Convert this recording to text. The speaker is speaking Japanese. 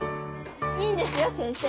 いいんですよ先生